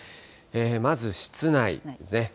まず室内ですね。